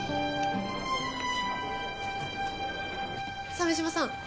鮫島さん